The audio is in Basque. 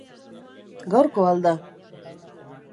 Gaurko al da?